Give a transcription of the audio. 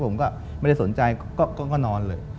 ผมก็ไม่ได้สนใจก็นอนเลย